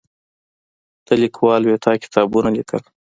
ته لیکوال وې تا کتابونه لیکل.